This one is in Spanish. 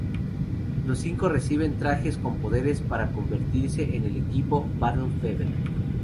Los cinco reciben trajes con poderes para convertirse en el equipo Battle Fever.